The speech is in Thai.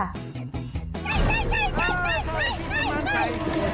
ใจ